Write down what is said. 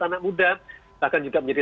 anak muda bahkan juga menjadi